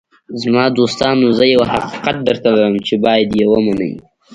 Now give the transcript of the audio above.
“زما دوستانو، زه یو حقیقت درته لرم چې باید یې ومنئ.